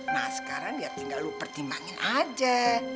nah sekarang ya tinggal lu pertimbangin aja